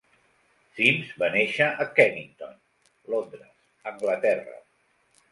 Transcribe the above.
Sims va néixer a Kennington, Londres, Anglaterra.